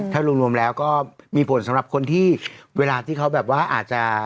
ถ้ารวมแล้วก็มีผลสำหรับคนที่เวลาที่เขาแบบว่าอาจจะ